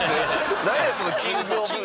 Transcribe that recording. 何やその「キングオブ」。